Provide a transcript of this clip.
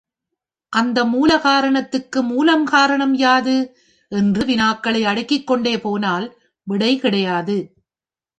இந்த மூல காரணத்துக்கு மூல காரணம் எது? என்று வினாக்களை அடுக்கிக் கொண்டே போனால் விடை கிடையாது.